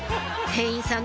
店員さん